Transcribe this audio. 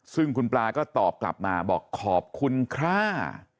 ซึ่งคุณปลาก็ตอบกลับมาบอกขอบคุณค่ะ